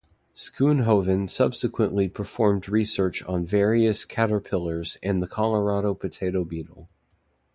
Schoonhoven subsequently performed research on various caterpillars and the Colorado potato beetle.